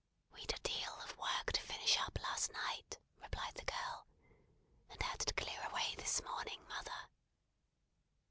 "We'd a deal of work to finish up last night," replied the girl, "and had to clear away this morning, mother!"